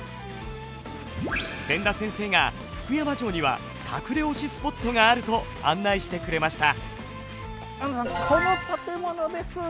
千田先生が福山城には隠れ推しスポットがあると案内してくれました。